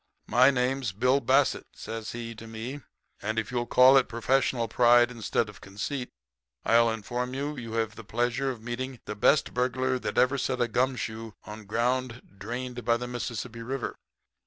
"'My name's Bill Bassett,' says he to me, 'and if you'll call it professional pride instead of conceit, I'll inform you that you have the pleasure of meeting the best burglar that ever set a gum shoe on ground drained by the Mississippi River.'